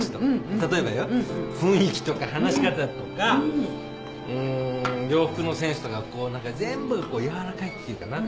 例えばよ雰囲気とか話し方とか洋服のセンスとか全部やわらかいっていうかな。